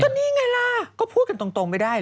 ก็นี่ไงล่ะก็พูดกันตรงไม่ได้เห